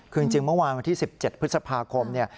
คือจริงเมื่อวานวันที่๑๗พฤษภาคมเนี่ย